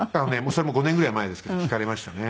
それも５年ぐらい前ですけど聞かれましたね。